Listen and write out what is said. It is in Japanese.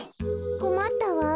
こまったわ。